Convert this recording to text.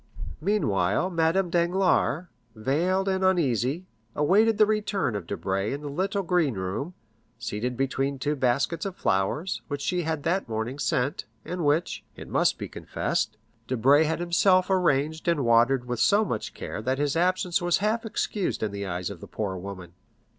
Meanwhile Madame Danglars, veiled and uneasy, awaited the return of Debray in the little green room, seated between two baskets of flowers, which she had that morning sent, and which, it must be confessed, Debray had himself arranged and watered with so much care that his absence was half excused in the eyes of the poor woman.